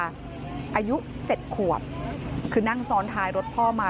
อายุ๗ขวบคือนั่งซ้อนท้ายรถพ่อมา